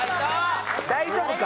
大丈夫か？